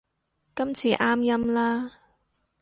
今次啱音啦